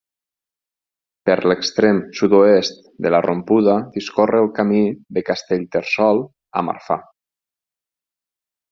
Per l'extrem sud-oest de la rompuda discorre el Camí de Castellterçol a Marfà.